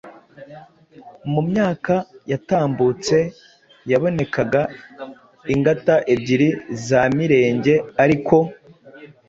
Mu myaka yatambutse yabonekaga ingata ebyiri za Mirenge ariko